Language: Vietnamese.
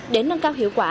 để nâng cao hiệu quả